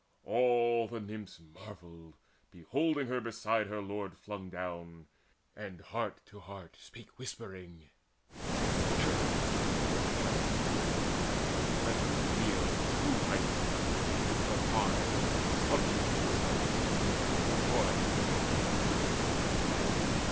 All the Nymphs Marvelled, beholding her beside her lord Flung down, and heart to heart spake whispering: "Verily evil hearted Paris was, Who left a leal true wife, and took for bride A wanton, to himself and Troy a curse.